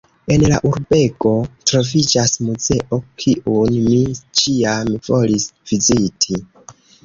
En la urbego troviĝas muzeo, kiun mi ĉiam volis viziti.